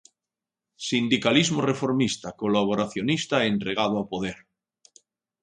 Sindicalismo reformista, colaboracionista e entregado ao poder.